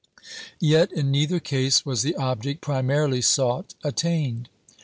Yet in neither case was the object primarily sought attained.